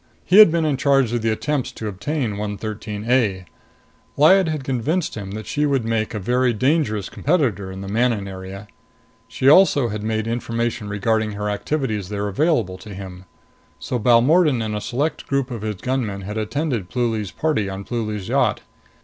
He had been in charge of the attempts to obtain 113 A. Lyad had convinced him that she would make a very dangerous competitor in the Manon area. She also had made information regarding her activities there available to him. So Balmordan and a select group of his gunmen had attended Pluly's party on Pluly's yacht.